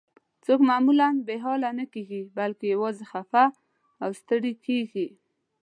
څوک معمولاً بې حاله نه کیږي، بلکې یوازې خفه او ستړي کیږي.